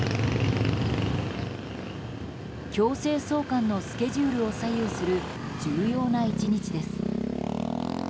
強制送還のスケジュールを左右する重要な１日です。